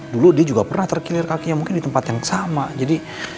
dulu dia juga pernah terkilir kakinya mungkin di tempat yang sama jadi